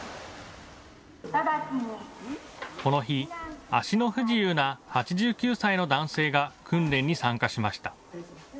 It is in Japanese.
この日、足の不自由な８９歳の男性が訓練に参加しました。